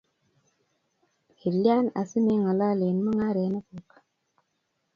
kilyan asimeng'alalen mung'arenik kuk?